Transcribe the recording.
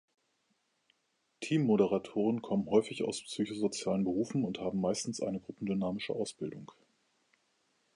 Team-Moderatoren kommen häufig aus psychosozialen Berufen und haben meist eine gruppendynamische Ausbildung.